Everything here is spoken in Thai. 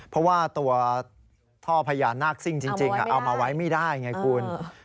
เพราะว่าตัวท่อพญานาคซิ่งจริงเอามาไว้ไม่ได้ไงคุณ